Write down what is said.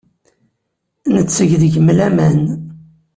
Netteg deg-m laman.